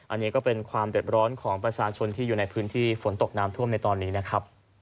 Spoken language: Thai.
อันนี้ก็เป็นความเด็ดร้อนของประชาชนที่อยู่ในพื้นที่ฝนตกน้ำท่วมในตอนนี้นะครับ